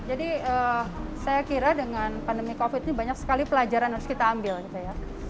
jadi saya kira dengan pandemi covid ini banyak sekali pelajaran harus kita ambil gitu ya